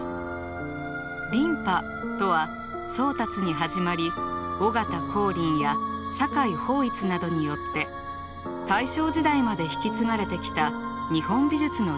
琳派とは宗達に始まり尾形光琳や酒井抱一などによって大正時代まで引き継がれてきた日本美術の流派。